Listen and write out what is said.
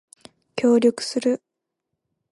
協力する